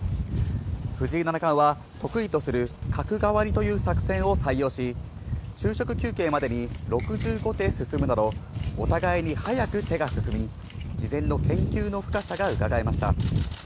藤井七冠は得意とする、角換わりという作戦を採用し、昼食休憩までに６５手進むなど、お互いに早く手が進み、事前の研究の深さがうかがえました。